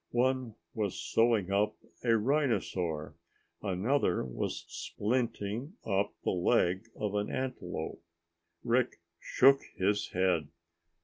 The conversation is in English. One was sewing up a rhinosaur. Another was splinting up the leg of an antelope. Rick shook his head.